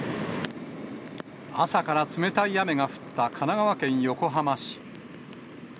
朝から冷たい雨が降った神奈川県横浜市。